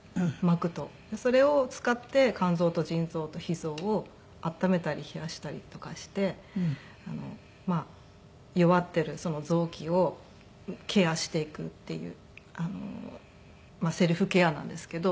それを使って肝臓と腎臓と脾臓を温めたり冷やしたりとかして弱っている臓器をケアしていくっていうセルフケアなんですけど。